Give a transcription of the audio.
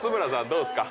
どうっすか？